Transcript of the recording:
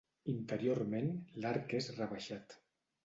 Interiorment l'arc és rebaixat.